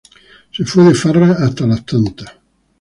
Se fue de farra hasta las tantas